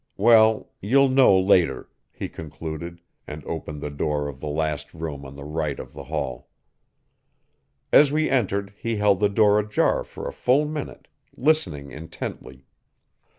"Well, you'll know later," he concluded, and opened the door of the last room on the right of the hall. As we entered, he held the door ajar for a full minute, listening intently.